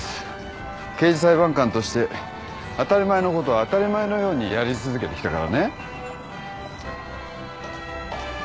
刑事裁判官として当たり前のことを当たり前のようにやり続けてきたからね。